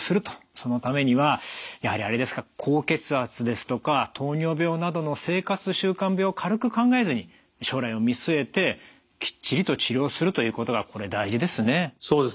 そのためにはやはりあれですか高血圧ですとか糖尿病などの生活習慣病を軽く考えずに将来を見据えてきっちりと治療するということがこれ大事ですね。